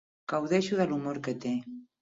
Gaudeixo de l'humor que té.